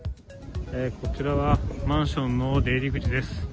こちらはマンションの出入り口です。